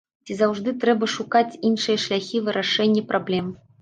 Ці заўжды трэба шукаць іншыя шляхі вырашэння праблем?